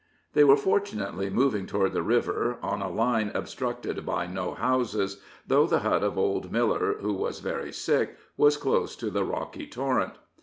They were fortunately moving toward the river on a line obstructed by no houses, though the hut of old Miller, who was very sick, was close to the rocky torrent.